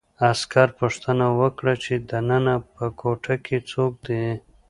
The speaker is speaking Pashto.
عسکر پوښتنه وکړه چې دننه په کوټه کې څوک دي